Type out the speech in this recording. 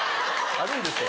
あるんですか？